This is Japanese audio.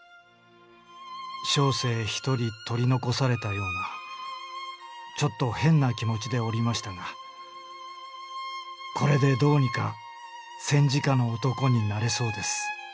小生一人取り残された様な一寸変な気持ちでおりましたがこれでどうにか戦時下の男になれそうです」。